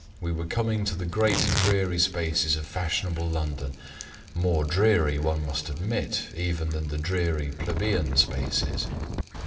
We were coming to the great dreary spaces of fashionable London more dreary, one must admit, even than the dreary plebeian spaces.